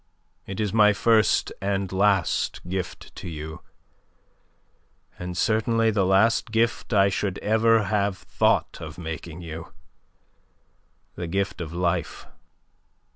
It is my first and last gift to you, and certainly the last gift I should ever have thought of making you the gift of life.